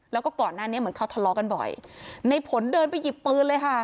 แล้วก็ก่อนหน้านี้เหมือนเขาทะเลาะกันบ่อยในผลเดินไปหยิบปืนเลยค่ะ